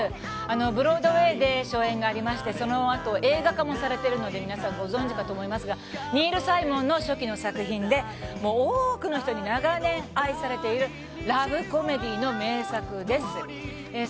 ブロードウェーで初演がありましてそのあと映画化もされているので皆さん、ご存じかと思いますけどニール・サイモンの初期の作品で多くの人に長年、愛されているラブコメディーの名作です。